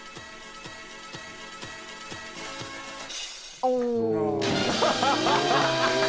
お！